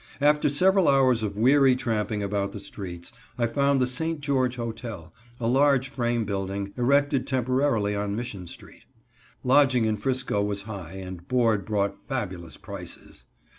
After several hours of weary tramping about the streets, I found the St. George Hotel, a large frame building, erected temporarily on Mission street. Lodging in 'Frisco was high and board brought fabulous prices.